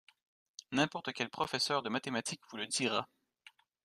N’importe quel professeur de mathématiques vous le dira.